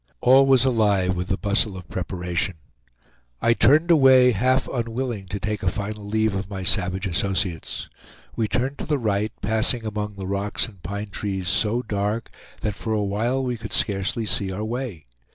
All was alive with the bustle of preparation. I turned away, half unwilling to take a final leave of my savage associates. We turned to the right, passing among the rocks and pine trees so dark that for a while we could scarcely see our way.